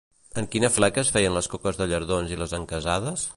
En quina fleca es feien les coques de llardons i les encasades?